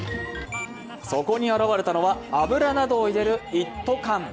そこに現れたのは油などを入れる一斗缶。